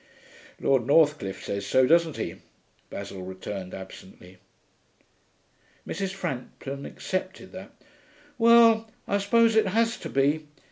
'Lord Northcliffe says so, doesn't he?' Basil returned absently. Mrs. Frampton accepted that. 'Well! I suppose it has to be.